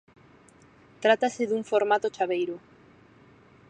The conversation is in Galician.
Trátase dun formato chaveiro.